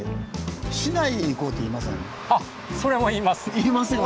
言いますよね。